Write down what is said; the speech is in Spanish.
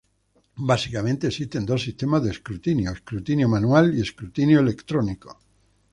Básicamente existen dos sistemas de escrutinio: escrutinio manual y escrutinio electrónico.